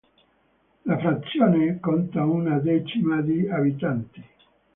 La frazione conta una decina di abitanti.